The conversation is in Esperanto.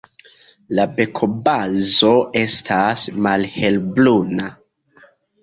La bekobazo estas malhelbruna.